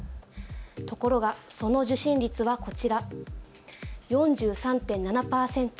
ところがその受診率はこちら、４３．７％。